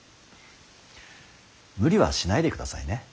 無理はしないでくださいね。